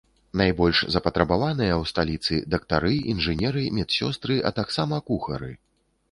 Найбольш запатрабаваныя ў сталіцы дактары, інжынеры, медсёстры, а таксама кухары.